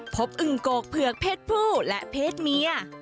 อึงโกกเผือกเพศผู้และเพศเมีย